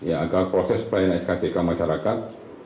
agar proses pelayanan skck masyarakat